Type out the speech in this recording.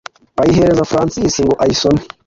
ayihereza Francis ngo ayisome